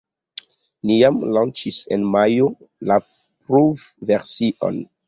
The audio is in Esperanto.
Ni jam lanĉis en majo la provversion.